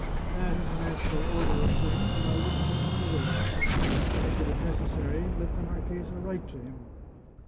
That is the natural order of things, and I would not have it otherwise. If it is necessary, let the marchesa write to him."